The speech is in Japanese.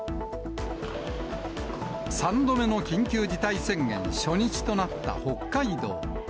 ３度目の緊急事態宣言初日となった北海道。